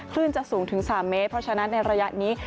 คลื่นจะสูงถึง๓เมตรเพราะฉะนั้นในระยะนี้